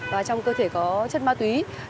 và trong cơ thể có chất ma túy